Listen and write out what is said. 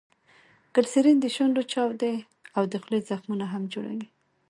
ګلیسرین دشونډو چاودي او دخولې زخمونه هم جوړوي.